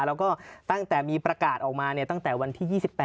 แล้วก็ตั้งแต่มีประกาศออกมาตั้งแต่วันที่๒๘